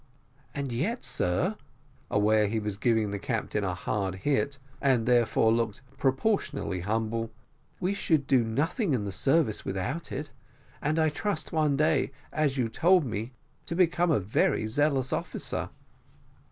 "And yet, sir," replied Jack, aware that he was giving the captain a hard hit, and therefore looked proportionally humble, "we should do nothing in the service without it and I trust one day, as you told me, to become a very zealous officer."